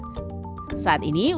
saat ini uji coba yang lainnya